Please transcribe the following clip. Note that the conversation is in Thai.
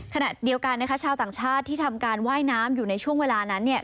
ขณะเดียวกันนะคะชาวต่างชาติที่ทำการว่ายน้ำอยู่ในช่วงเวลานั้นเนี่ย